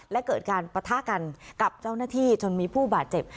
และเกิดการปะทะกันกับเจ้าหน้าที่จนมีผู้บาดเจ็บ